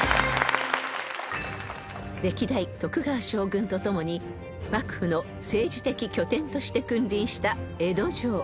［歴代徳川将軍と共に幕府の政治的拠点として君臨した江戸城］